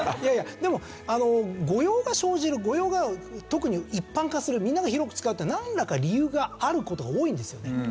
でも誤用が生じる誤用が特に一般化するみんなが広く使うっていうのはなんらか理由がある事が多いんですよね。